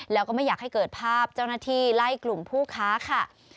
แล้วก็ไม่อยากให้เกิดภาพเจ้าหน้าที่ไล่กลุ่มผู้ค้าค่ะ